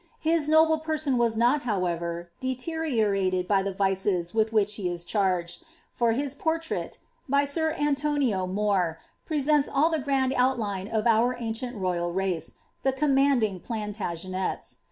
His noble person was not, however, deteriorated by the vices with which he is charged ; for his portrait, by sir Antooio More, presents all the giand outline of our ancient royal race — the coo manding Plantagenels.